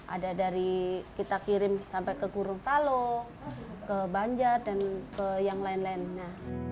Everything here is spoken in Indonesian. ada dari kita kirim sampai ke gorontalo ke banjar dan ke yang lain lainnya